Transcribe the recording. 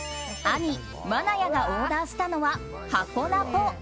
兄・愛弥がオーダーしたのははこナポ。